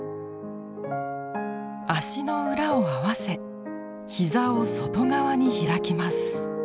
脚の裏を合わせ膝を外側に開きます。